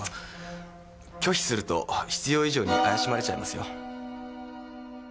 拒否すると必要以上に怪しまれちゃいますよ。